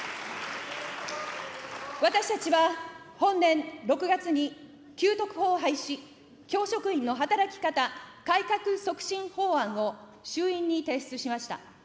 私たちは本年６月に、給特法廃止・教職員の働き方改革促進法案を衆院に提出しました。